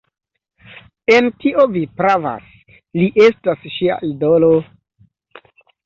En tio vi pravas; li estas ŝia idolo...